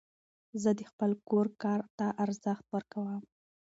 زه د خپل کور کار ته ارزښت ورکوم.